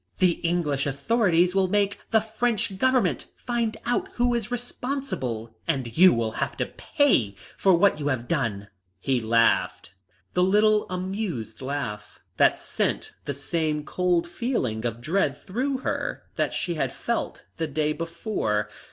The English authorities will make the French Government find out who is responsible, and you will have to pay for what you have done." He laughed the little amused laugh that sent the same cold feeling of dread through her that she had felt the day before.